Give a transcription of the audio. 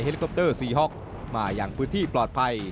ลิคอปเตอร์ซีฮ็อกมาอย่างพื้นที่ปลอดภัย